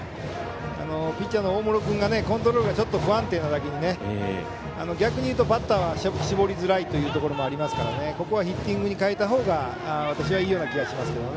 ピッチャーの大室君がコントロールが不安定なだけに逆にいうとバッターは絞りづらいことがありますからここはヒッティングに変えた方が私はいい気がします。